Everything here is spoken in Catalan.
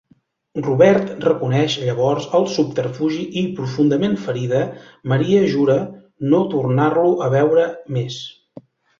Robert reconeix llavors el subterfugi i profundament ferida, Maria jura no tornar-lo a veure més.